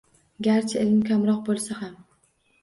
Garchi ilmi kamroq bo‘lsa ham